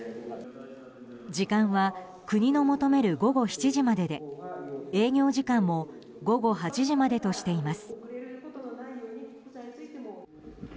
時間は国の求める午後７時までで営業時間も午後８時までとしています。